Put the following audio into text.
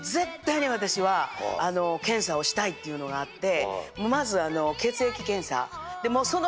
っていうのがあって。